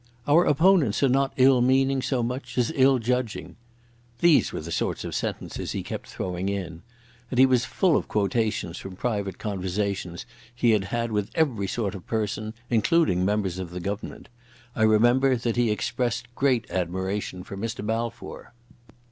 "Our opponents are not ill meaning so much as ill judging,"—these were the sort of sentences he kept throwing in. And he was full of quotations from private conversations he had had with every sort of person—including members of the Government. I remember that he expressed great admiration for Mr Balfour.